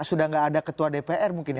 sudah tidak ada ketua dpr mungkin ya